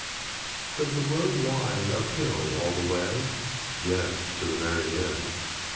Does the road wind up hill all the way? Yes, to the very end.